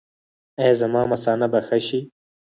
ایا زما مثانه به ښه شي؟